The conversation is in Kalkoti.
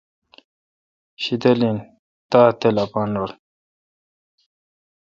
شدل این تاؘ تل اپان رل